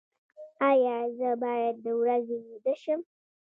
ایا زه باید د ورځې ویده شم؟